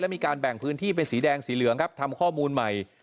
มีการแบ่งพื้นที่เป็นสีแดงสีเหลืองครับทำข้อมูลใหม่